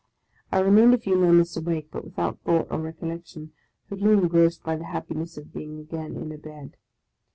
I remained a few moments awake, but without thought or recollection, totally engrossed by the happiness of being again in a bed.